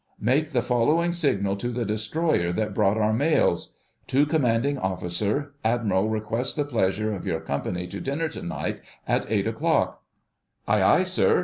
"Make the following signal to the Destroyer that brought our mails— "To Commanding Officer. Admiral requests the pleasure of your company to dinner to night at eight o'clock." "Aye, aye, sir."